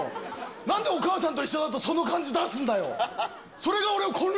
なんでお母さんと一緒だとその感じ出すんだよ。